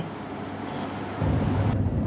tiến hành tập trung